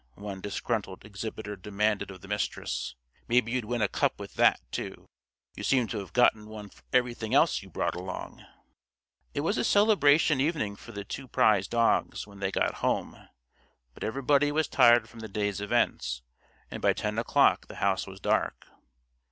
one disgruntled exhibitor demanded of the Mistress. "Maybe you'd win a cup with that, too. You seem to have gotten one for everything else you brought along." It was a celebration evening for the two prize dogs, when they got home, but everybody was tired from the day's events, and by ten o'clock the house was dark.